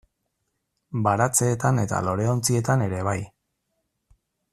Baratzeetan eta loreontzietan ere bai.